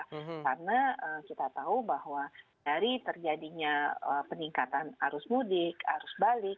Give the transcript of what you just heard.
karena kita tahu bahwa dari terjadinya peningkatan arus mudik arus balik